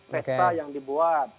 pesta yang dibuat